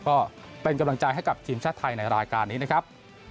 ก็เป็นกำลังใจให้กับทีมชาติไทยในรายการนี้นะครับ